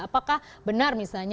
apakah benar misalnya untuk